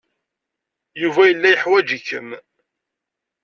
Yuba yella yeḥwaj-ikem.